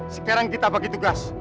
sekarang kita bagi tugas